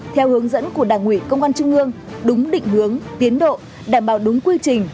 theo hướng dẫn của đảng ủy công an trung ương đúng định hướng tiến độ đảm bảo đúng quy trình